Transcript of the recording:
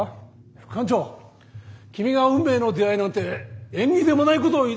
副艦長君が運命の出会いなんて縁起でもないことを言いだしたんだぞ！